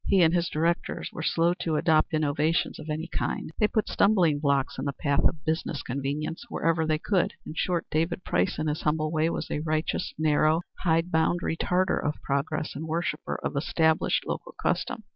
He and his directors were slow to adopt innovations of any kind; they put stumbling blocks in the path of business convenience whenever they could; in short, David Price in his humble way was a righteous, narrow, hide bound retarder of progress and worshipper of established local custom.